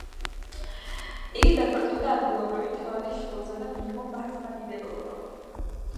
იგი დაქორწინდა ადგილობრივი თავადის შვილზე და მიიღო მართლმადიდებლობა.